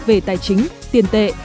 về tài chính tiền tệ